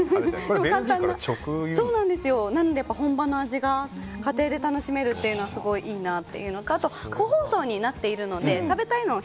本場の味が家庭で楽しめるというのはすごいいいなというのとあと個包装になっているので食べたいのを